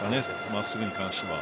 真っすぐに関しては。